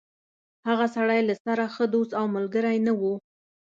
هغه سړی له سره ښه دوست او ملګری نه و.